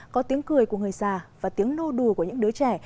có tiếng cười của người già và tiếng nô đùa của những đứa trẻ